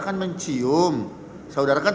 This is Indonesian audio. kan mencium saudara kan